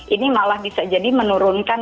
ini malah bisa jadi menurunkan